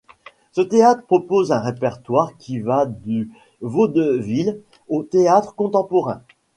Ce théâtre propose un répertoire qui va du vaudeville au théâtre contemporain.